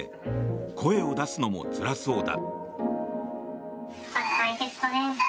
声を出すのもつらそうだ。